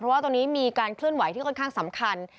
เพราะว่าตอนนี้มีการเคลื่อนไหวที่ค่อนข้างสำคัญ